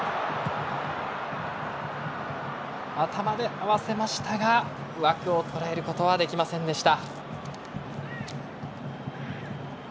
頭で合わせましたが枠を捉えることはできませんでした。